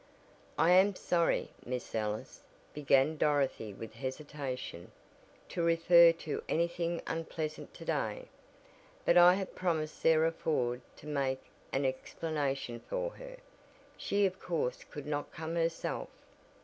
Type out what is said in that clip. "I am sorry, Miss Ellis," began Dorothy with hesitation, "to refer to anything unpleasant today, but I have promised Sarah Ford to make an explanation for her she of course could not come herself."